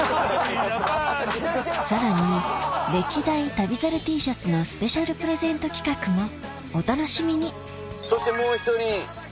さらに歴代旅猿Ｔシャツのスペシャルプレゼント企画もお楽しみにそしてもう１人。